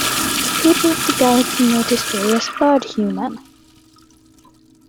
The people of the galaxy know this story as 'Bird-Human'.